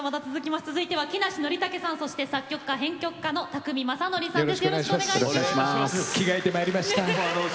続いては木梨憲武さんそして作曲家・編曲家の宅見将典さんです。